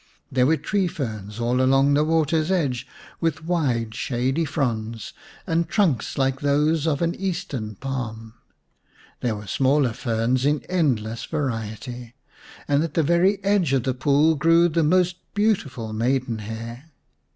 There were tree ferns all along the water's edge, with wide shady fronds and trunks like those of an Eastern palm. There were smaller ferns in endless variety, and at the very edge of the pool grew the most beautiful maidenhair.